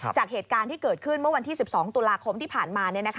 จากเหตุการณ์ที่เกิดขึ้นเมื่อวันที่๑๒ตุลาคมที่ผ่านมา